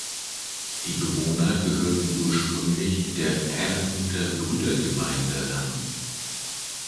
Die Bewohner gehörten ursprünglich der Herrnhuter Brüdergemeine an.